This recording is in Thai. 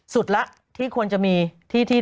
สุดแล้วที่ควรจะมีที่ที่